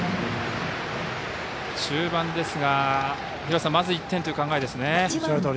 中盤ですがまず１点という考えですね。